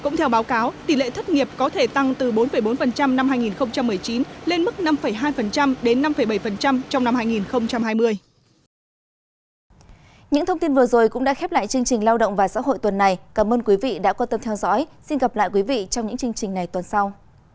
những thông tin vừa rồi cũng đã khép lại chương trình lao động và xã hội tuần này cảm ơn quý vị đã quan tâm theo dõi xin gặp lại quý vị trong những chương trình này tuần sau